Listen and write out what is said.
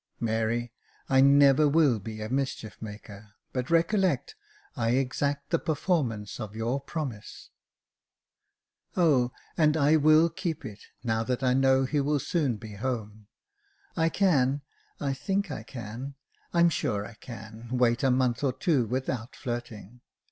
" Mary, I never will be a mischief maker ; but recollect, I exact the performance of your promise." " Oh ! and I will keep it, now that I know he will soon be home. I can, I think I can — I'm sure I can wait a month or two without flirting.